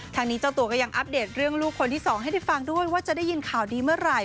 ทางนี้เจ้าตัวก็ยังอัปเดตเรื่องลูกคนที่๒ให้ได้ฟังด้วยว่าจะได้ยินข่าวดีเมื่อไหร่